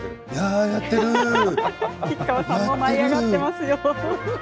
吉川さん、舞い上がっていますね。